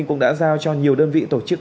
cũng đã giao cho nhiều đơn vị tổ chức